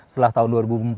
setelah tahun dua ribu empat